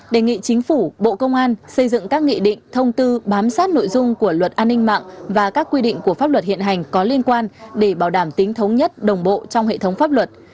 đề nghị chính phủ bộ công an xây dựng các nghị định thông tư bám sát nội dung của luật an ninh mạng và các quy định của pháp luật hiện hành có liên quan để bảo đảm tính thống nhất đồng bộ trong hệ thống pháp luật